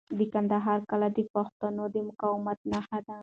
د کندهار کلا د پښتنو د مقاومت نښه ده.